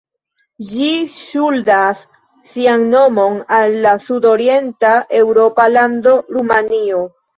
Ĝi ŝuldas sian nomon al la sud-orienta eŭropa lando Rumanio.